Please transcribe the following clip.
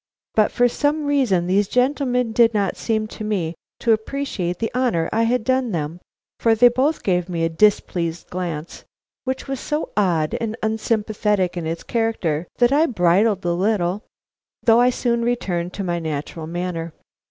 But for some reason these gentlemen did not seem to appreciate the honor I had done them, for they both gave me a displeased glance, which was so odd and unsympathetic in its character that I bridled a little, though I soon returned to my natural manner.